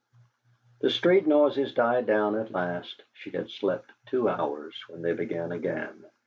The street noises died down at last; she had slept two hours when they began again.